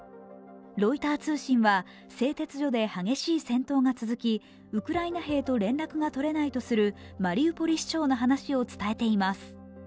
ロイター通信は製鉄所で激しい戦闘が続き、ウクライナ兵と連絡が取れないとするマリウポリ市長の話を伝えています。